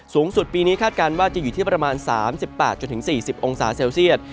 สูงสุดปีนี้คาดการณ์ว่าจะอยู่ที่ประมาณ๓๘๔๐องศาเซลเซียต